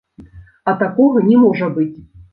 А такога не можа быць.